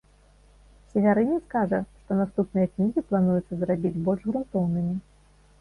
Севярынец кажа, што наступныя кнігі плануецца зрабіць больш грунтоўнымі.